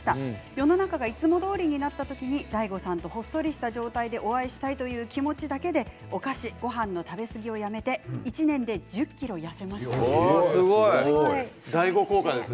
世の中がいつもどおりになった時にＤＡＩＧＯさんとほっそりした状態でお会いしたいという気持ちだけでお菓子、ごはんの状態食べ過ぎをやめて１年で１０ｋｇ痩せましたということです。